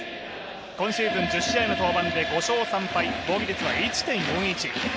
今シーズン１０試合の登板で５勝３敗、防御率は１．４１。